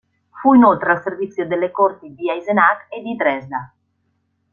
Fu inoltre al servizio delle corti di Eisenach e di Dresda.